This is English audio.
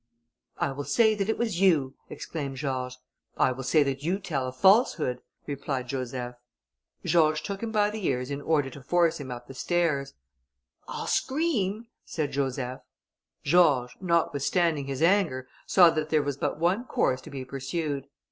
"I will say that it was you," exclaimed George. "I will say that you tell a falsehood," replied Joseph. George took him by the ears in order to force him up stairs. "I'll scream," said Joseph. George, notwithstanding his anger, saw that there was but one course to be pursued.